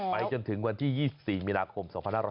จนถึงวันที่๒๔มีนาคม๒๕๖๐